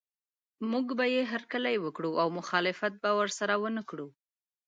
موږ به یې هرکلی وکړو او مخالفت به ورسره ونه کړو.